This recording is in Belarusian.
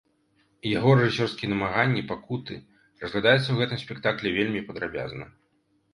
Яго рэжысёрскія намаганні, пакуты разглядаюцца ў гэтым спектаклі вельмі падрабязна.